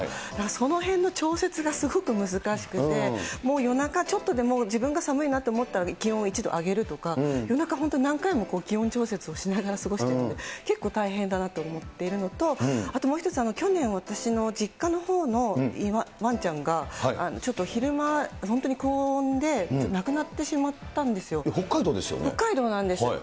そのへんの調節がすごく難しくて、もう夜中、ちょっとでも自分が寒いなと思ったら、気温を１度上げるとか、夜中、本当に何回も気温調節をしながら過ごしてるんで、結構大変だなと思っているのと、あともう一つ、去年、私の実家のほうのわんちゃんが、ちょっと昼間、本当に高温で亡くなってしまった北海道ですよね？